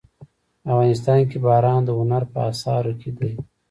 افغانستان کې باران د هنر په اثار کې دي.